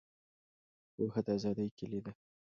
پوهه د آزادۍ کیلي ده.